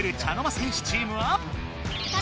戦士チームは。